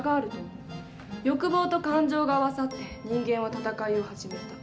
欲望と感情が合わさって人間は戦いを始めた。